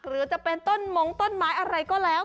หรือจะเป็นต้นมงต้นไม้อะไรก็แล้ว